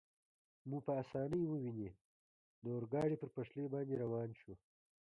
مو په اسانۍ وویني، د اورګاډي پر پټلۍ باندې روان شو.